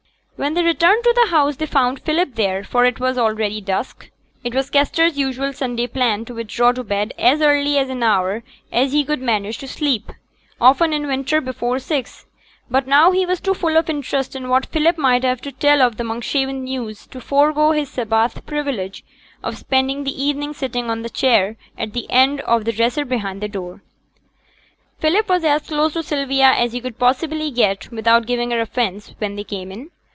When they returned to the house they found Philip there, for it was already dusk. It was Kester's usual Sunday plan to withdraw to bed at as early an hour as he could manage to sleep, often in winter before six; but now he was too full of interest in what Philip might have to tell of Monkshaven news to forego his Sabbath privilege of spending the evening sitting on the chair at the end of the dresser behind the door. Philip was as close to Sylvia as he could possibly get without giving her offence, when they came in.